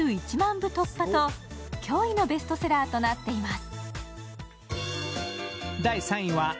部突破と驚異のベストセラーとなっています。